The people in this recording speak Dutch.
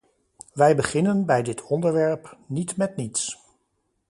Wij beginnen bij dit onderwerp niet met niets.